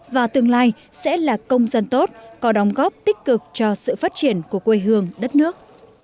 và tương lai sẽ là công dân tốt có đóng góp tích cực cho sự phát triển của quê hương đất nước